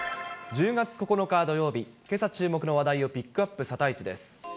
１０月９日土曜日、けさ注目の話題をピックアップ、サタイチです。